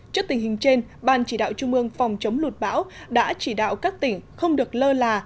trước tình hình trên ban chỉ đạo trung ương phòng chống lụt bão đã chỉ đạo các tỉnh không được lơ là